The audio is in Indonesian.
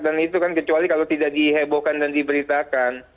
dan itu kan kecuali kalau tidak dihebohkan dan diberitakan